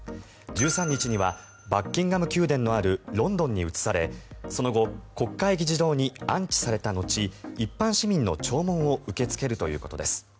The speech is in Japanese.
１３日にはバッキンガム宮殿のあるロンドンに移されその後、国会議事堂に安置された後、一般市民の弔問を受け付けるということです。